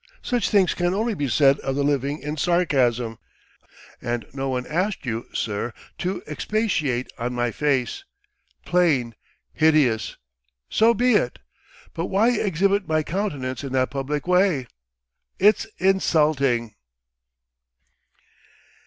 Such things can only be said of the living in sarcasm. And no one asked you, sir, to expatiate on my face. Plain, hideous, so be it, but why exhibit my countenance in that public way! It's insulting."